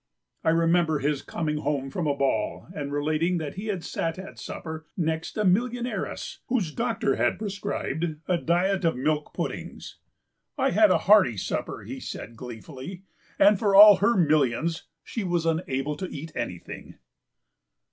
I remember his coming home from a ball and relating that he had sat at supper next a millionairess, whose doctor had prescribed a diet of milk puddings. "I had a hearty supper," he said gleefully, "and for all her millions she was unable to eat anything."